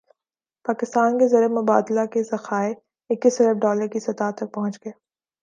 پاکستان کے زرمبادلہ کے ذخائر اکیس ارب ڈالر کی سطح تک پہنچ گئے